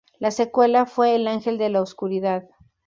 La secuela fue "El ángel de la oscuridad".